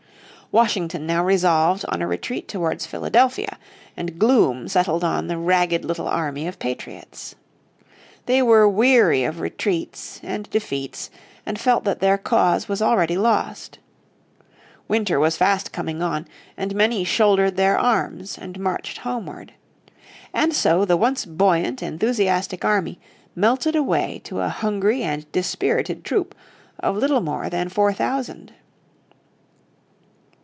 Washington now resolved on a retreat towards Philadelphia, and gloom settled on the ragged little army of patriots. They were weary of retreats and defeats, and felt that their cause was already lost. Winter was fast coming on and many shouldered their arms and marched homeward. And so the once buoyant enthusiastic army melted away to a hungry and dispirited troop of little more than four thousand.